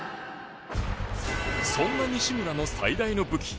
そんな西村の最大の武器